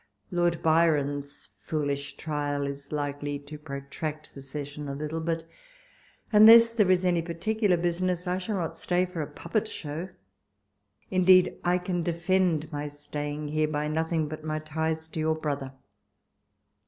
Lord Byron's foolish trial is likely to protract the session a little ; but unless there is any particu lar business, I shall not stay for a puppet show. Indeed, I can defend my staying here by nothing but ray ties to your brother.